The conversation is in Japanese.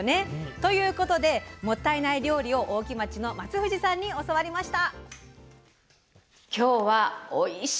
ということでもったいない料理を大木町の松藤さんに教わりました。